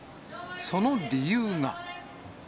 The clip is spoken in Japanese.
その理由が。